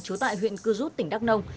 chú tại huyện cư rút tỉnh đắk nông